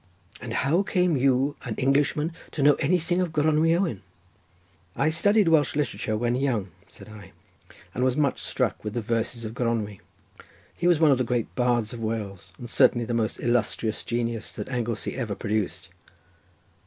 "And how came you, an Englishman, to know anything of Gronwy Owen?" "I studied Welsh literature when young," said I, "and was much struck with the verses of Gronwy: he was one of the great bards of Wales, and certainly the most illustrious genius that Anglesey ever produced."